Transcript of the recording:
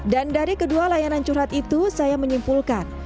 dan dari kedua layanan curhat itu saya menyimpulkan